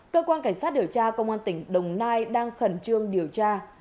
cơ quan cảnh sát điều tra công an tỉnh đồng nai đang khẩn trương điều tra